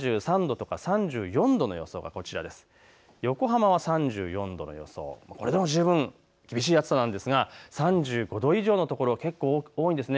３３度や３４度の予想はこちら、横浜は３４度、これでも十分厳しい暑さですが、３５度以上の所が結構多いです。